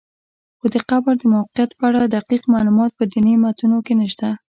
خو د قبر د موقعیت په اړه دقیق معلومات په دیني متونو کې نشته.